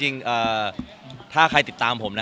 เอ้ือที่นี่จะผ่านมา